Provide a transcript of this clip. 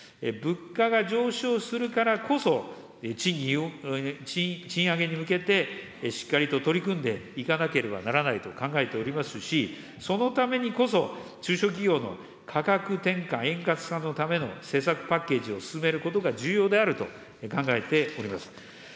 物価が上昇するからこそ、賃上げに向けてしっかりと取り組んでいかなければならないと考えておりますし、そのためにこそ、中小企業の価格転嫁円滑化のための施策パッケージを進めることが重要であると考えております。